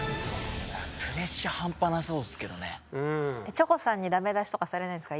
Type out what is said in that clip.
チョコさんにダメ出しとかされないんですか？